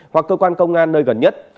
hoặc cơ quan công an nơi gần nhất